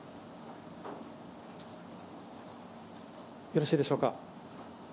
よろしいでしょうか。